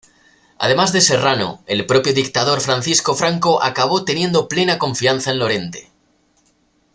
Además de Serrano, el propio dictador Francisco Franco acabó teniendo plena confianza en Lorente.